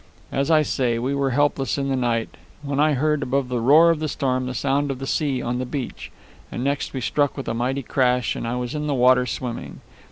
As I say, we were helpless in the night, when I heard, above the roar of the storm, the sound of the sea on the beach. And next we struck with a mighty crash and I was in the water, swimming.